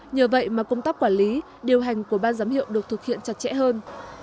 nhờ vậy mà công tác quản lý điều hành của ban giám hiệu được thực hiện chặt chẽ hơn